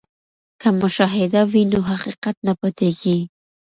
که مشاهده وي نو حقیقت نه پټیږي.